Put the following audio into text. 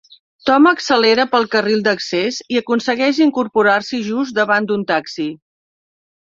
Tom accelera pel carril d'accés i aconsegueix incorporar-s'hi just davant d'un taxi.